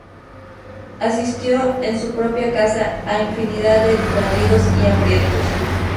Asistió en su propia casa a infinidad de desvalidos y hambrientos.